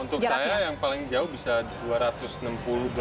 untuk saya yang paling jauh bisa dua ratus enam puluh dolar